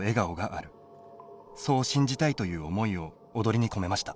そう信じたいという思いを踊りに込めました。